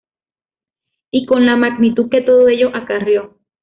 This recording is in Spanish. Y con la magnitud que todo ello acarreó.